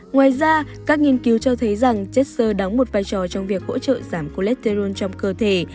ngoài ra các nghiên cứu cho thấy rằng jetster đóng một vai trò trong việc hỗ trợ giảm cholesterol trong cơ thể